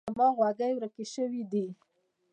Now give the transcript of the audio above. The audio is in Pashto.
زما غوږۍ ورک شوی ده.